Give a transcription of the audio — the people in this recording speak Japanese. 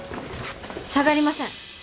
下がりません。